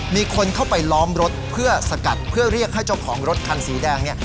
มีคนเข้าไปล้อมรถเพื่อสกัดเพื่อเรียกให้เจ้าของรถคันสีแดงเนี่ย